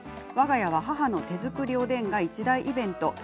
わが家は母の手作りおでんが一大イベント。